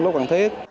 của các bạn